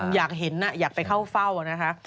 อยากเห็นอยากไปเข้าเฝ้านะคะ